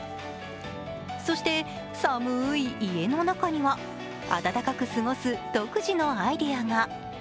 そして寒い家の中には暖かく過ごす独自のアイデアが。